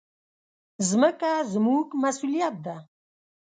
مځکه زموږ مسؤلیت ده.